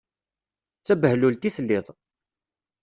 D tabehlult i telliḍ.